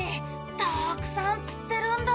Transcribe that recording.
たくさん釣ってるんだろうな。